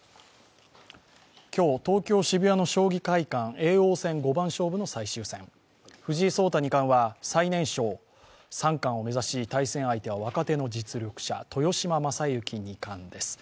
今日、ｌ東京・渋谷の将棋会館、叡王戦五番勝負藤井聡太二冠は最年少三冠を目指し対戦相手は若手の実力者、豊島将之二冠です。